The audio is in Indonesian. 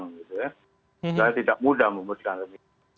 karena tidak mudah memudahkan remisi